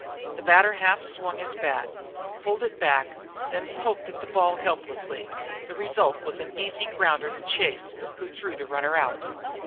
The batter half swung his bat, pulled it back, then poked at the ball helplessly. The result was an easy grounder to Chase, who threw the runner out.